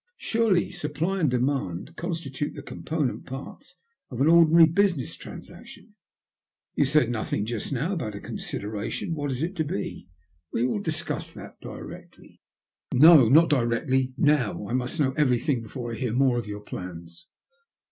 Surely supply and demand constitute the component parts of an ordinary business transaction?" " Tou said nothing just now about a consideration. What is it to be ?"" We will discuss that directly." 68 THE LUST OF HATE. *' No, not directly. Now ! I must know everything before I hear more of your plans."